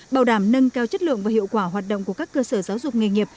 bảo đảm nâng cao chất lượng và hiệu quả hoạt động của các cơ sở giáo dục nghề nghiệp